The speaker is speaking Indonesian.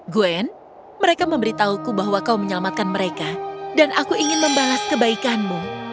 gwen mereka memberitahuku bahwa kau menyelamatkan mereka dan aku ingin membalas kebaikanmu